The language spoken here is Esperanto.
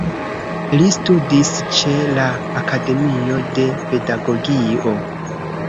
Li studis ĉe la Akademio de Pedagogio.